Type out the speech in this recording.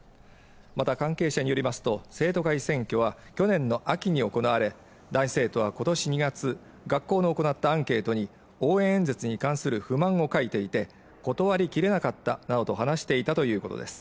また関係者によりますと生徒会選挙は去年の秋に行われ男子生徒はことし２月学校の行ったアンケートに応援演説に関する不満を書いていて断りきれなかったなどと話していたということです